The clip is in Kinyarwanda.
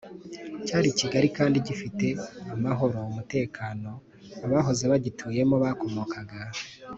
cyari kigari kandi gi te amahoro n umutekano k Abahoze bagituyemo bakomokaga